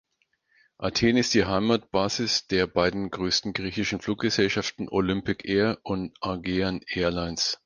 Athen ist die Heimatbasis der beiden größten griechischen Fluggesellschaften Olympic Air und Aegean Airlines.